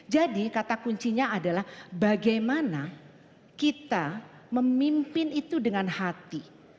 jadi kata kuncinya adalah bagaimana kita memimpin itu dengan hati